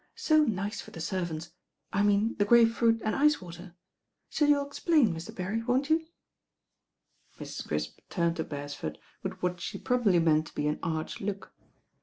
So nice for the servants. I mean the grape fruit and ice water. So you'll explain, Mr. Berry, won't you?" Mrs. Crisp turned to Beresford with what she probably meant to be an arch look.